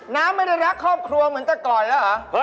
น้าไม่ได้รักครอบครัวเหมือนเจ้ากรอยแล้วหรือ